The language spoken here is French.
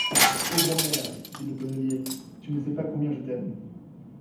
Pauvre mère, dit le tonnelier, tu ne sais pas combien je t’aime.